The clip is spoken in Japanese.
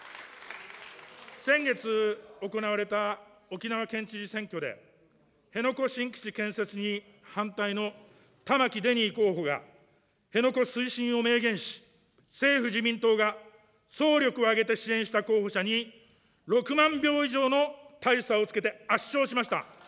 先月行われた沖縄県知事選挙で辺野古新基地建設に反対の玉城デニー候補が辺野古推進を明言し、政府・自民党が総力を挙げて支援した候補者に６万票以上の大差をつけて圧勝しました。